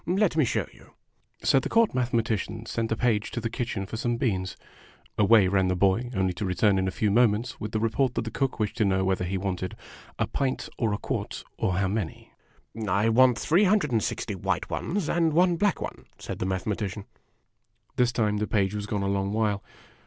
Let me show you." So the Court Mathematician sent a page to the kitchen for some beans. Away ran the boy ; only to return in a few moments with the report that the cook wished to know whether he wanted " a pint, or a quart, or how many ?"" I want three hundred and sixty white ones, and one black one," said the Mathematician. This time the page was gone a long while.